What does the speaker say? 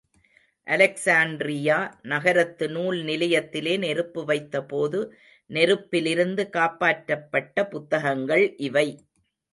Alexandria நகரத்து நூல் நிலையத்திலே நெருப்பு வைத்தபோது, நெருப்பிலிருந்து காப்பாற்றப்பட்ட புத்தகங்கள் இவை.